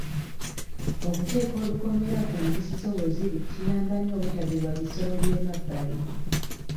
Okuteeka olukomera ku mbuzi zo we ziri kiyamba nnyo obutaliibwa bisolo by'emabbali.